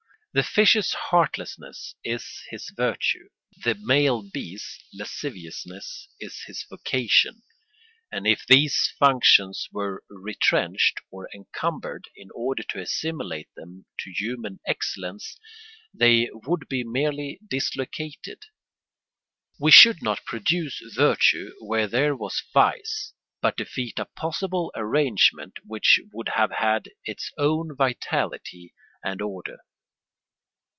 The fish's heartlessness is his virtue; the male bee's lasciviousness is his vocation; and if these functions were retrenched or encumbered in order to assimilate them to human excellence they would be merely dislocated. We should not produce virtue where there was vice, but defeat a possible arrangement which would have had its own vitality and order.